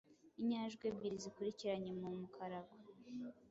Inyajwi ebyiri zikurikiranye mu mukarago,